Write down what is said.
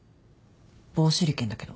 棒手裏剣だけど。